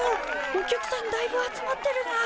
お客さんだいぶ集まってるなあ。